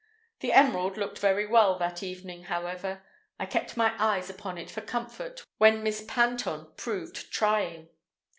The emerald looked very well that evening, however. I kept my eyes upon it for comfort when Miss Panton proved trying.